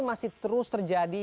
masih terus terjadi